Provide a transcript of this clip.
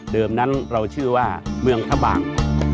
นั้นเราชื่อว่าเมืองพระบาง